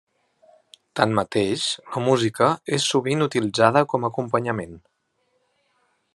Tanmateix, la música és sovint utilitzada com acompanyament.